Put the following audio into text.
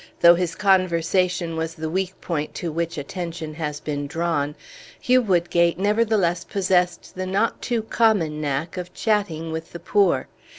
Though his conversation was the weak point to which attention has been drawn, Hugh Woodgate nevertheless possessed the not too common knack of chatting with the poor.